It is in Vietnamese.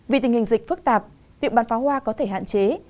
vì tình hình dịch phức tạp việc bán pháo hoa có thể hạn chế